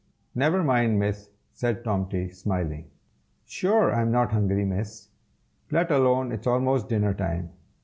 "Never mind, Miss!" said Tomty, smiling, "sure I'm not hungry, Miss, let alone it's almost dinner time.